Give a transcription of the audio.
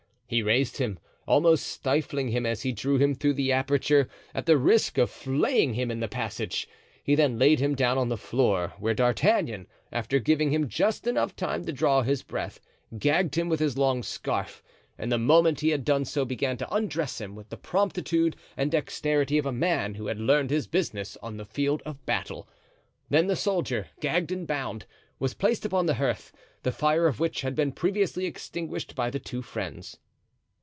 He raised him, almost stifling him as he drew him through the aperture, at the risk of flaying him in the passage. He then laid him down on the floor, where D'Artagnan, after giving him just time enough to draw his breath, gagged him with his long scarf; and the moment he had done so began to undress him with the promptitude and dexterity of a man who had learned his business on the field of battle. Then the soldier, gagged and bound, was placed upon the hearth, the fire of which had been previously extinguished by the two friends.